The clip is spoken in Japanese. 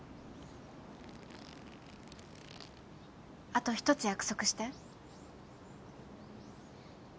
あと一つ約束して。